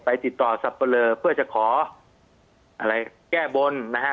ติดต่อสับปะเลอเพื่อจะขออะไรแก้บนนะฮะ